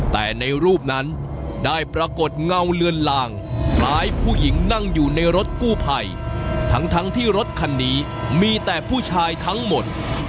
แต่ในรูปนั้นได้ปรากฏเงาเลือนลางคล้ายผู้หญิงนั่งอยู่ในรถกู้ภัยทั้งทั้งที่รถคันนี้มีแต่ผู้ชายทั้งหมด